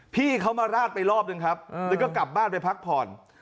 พี่เขามาราดไปรอบหนึ่งครับแล้วก็กลับบ้านไปพักผ่อน